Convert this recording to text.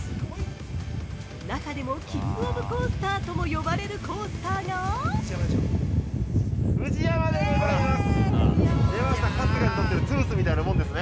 中でもキングオブコースターとも呼ばれるコースターが◆ＦＵＪＩＹＡＭＡでございます！